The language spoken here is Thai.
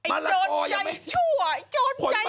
ไอ้โจรใจชั่วไอ้โจรใจป่ำ